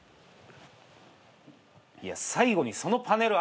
いや最後にそのパネルあるけど。